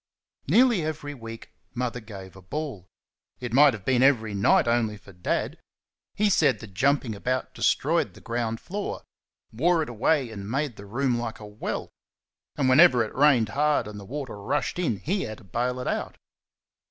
Nearly every week Mother gave a ball. It might have been every night only for Dad. He said the jumping about destroyed the ground floor wore it away and made the room like a well. And whenever it rained hard and the water rushed in he had to bail it out.